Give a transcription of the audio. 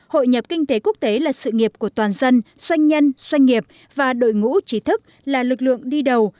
hội nhập kinh tế quốc tế là sự nghiệp của toàn dân doanh nhân doanh nghiệp và đội ngũ trí thức là lực lượng đi đầu